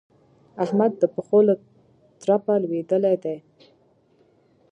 احمد د پښو له ترپه لوېدلی دی.